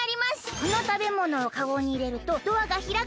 「このたべものをカゴにいれるとドアがひらく」